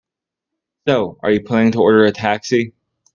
So, are you planning to order a taxi?